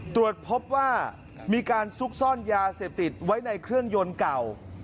ตรวจพบว่ามีการซุกซ่อนยาเสพติดไว้ในเครื่องยนต์เก่า